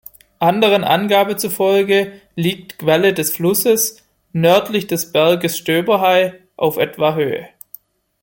Anderen Angaben zufolge liegt Quelle des Flusses "„nördlich des Berges Stöberhai“" auf etwa Höhe.